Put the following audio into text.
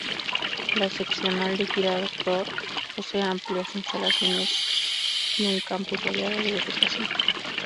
La Seccional de Girardot posee amplias instalaciones y un campus rodeado de vegetación.